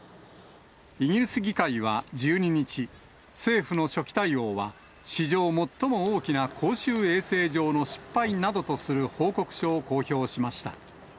イギリス議会は１２日、政府の初期対応は史上最も大きな公衆衛生上の失敗などとする報告書を公表しました。